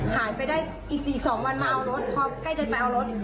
หายไปได้อีก๔๒วันมาเอารถพอใกล้จะไปเอารถ